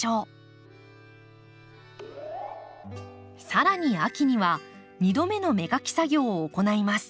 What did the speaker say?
更に秋には２度目の芽かき作業を行います。